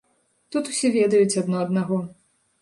Тут усе ведаюць адно аднаго.